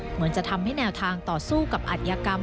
เหมือนจะทำให้แนวทางต่อสู้กับอัธยกรรม